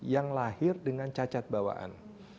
yang lahir dengan cacat bawaan